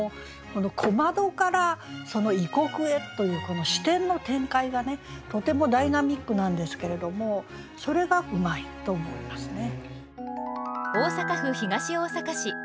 この「小窓」から「異国」へというこの視点の展開がねとてもダイナミックなんですけれどもそれがうまいと思いますね。